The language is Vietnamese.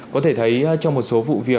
có thể thấy trong một số vụ việc